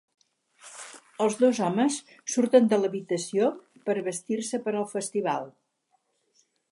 Els dos homes surten de l'habitació per a vestir-se per al festival.